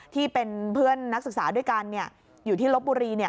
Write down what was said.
ที่เป็นเพื่อนนักศึกษาด้วยกันอยู่ที่ลบบุรี